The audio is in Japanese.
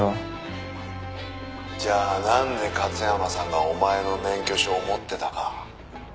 「じゃあなんで勝山さんがお前の免許証を持ってたか」